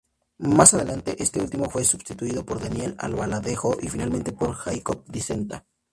Más adelante este último fue substituido por Daniel Albaladejo y finalmente por Jacobo Dicenta.